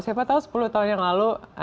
siapa tahu sepuluh tahun yang lalu